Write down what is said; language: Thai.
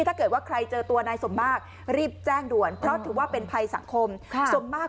ถ้าเกิดว่าใครเจอตัวนายสมมากรีบแจ้งด่วนเพราะถือว่าเป็นภัยสังคมสมมาก